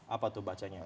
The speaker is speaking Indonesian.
apa tuh bacanya